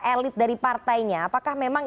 elit dari partainya apakah memang